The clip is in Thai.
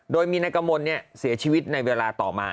โดยมีนายกมลเสียชีวิตในเวลาต่อมา